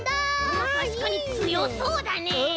あったしかにつよそうだね。